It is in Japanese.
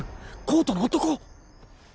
コートの男！